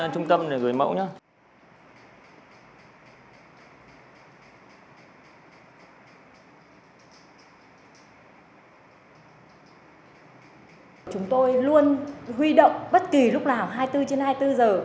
chúng tôi luôn huy động bất kỳ lúc nào hai mươi bốn trên hai mươi bốn giờ